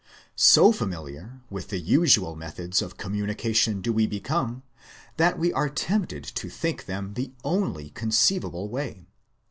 So familiar with the usual methods of communication do we become that we are tempted to think them the only conceivable way.